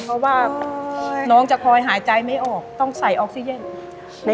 เพราะว่าน้องจะคอยหายใจไม่ออกต้องใส่ออกซิเจน